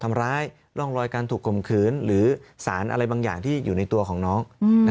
ร่องรอยการถูกข่มขืนหรือสารอะไรบางอย่างที่อยู่ในตัวของน้อง